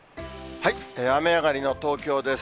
雨上がりの東京です。